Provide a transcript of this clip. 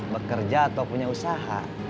bekerja atau punya usaha